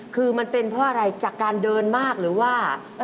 คือมันเป็นเพราะอะไรจากการเดินมากหรือว่า